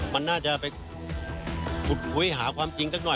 มันน่าจะไปขุดคุยหาความจริงสักหน่อย